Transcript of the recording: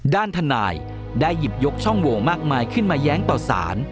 ด้านทนายได้หยิบยกช่องโหวมากมายขึ้นมาแย้งต่อสาร